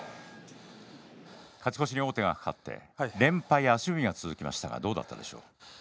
勝ち越しに王手がかかって連敗、足踏みが続きましたがどうでしたか。